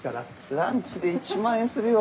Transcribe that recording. ランチで１万円するよ。